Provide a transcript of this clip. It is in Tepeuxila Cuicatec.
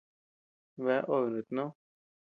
Bea obe nutnó.